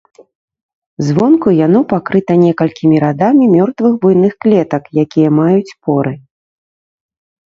Звонку яно пакрыта некалькімі радамі мёртвых буйных клетак, якія маюць поры.